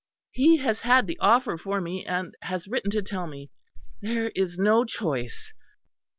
He has had the offer for me; and has written to tell me. There is no choice."